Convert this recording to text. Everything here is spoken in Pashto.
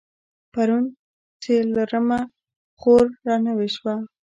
پرون څلرمه خور رانوې شوه.